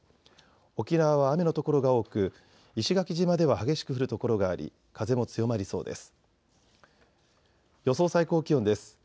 沖縄は雨の所が多く石垣島では激しく降る所があり風も強まりそうです。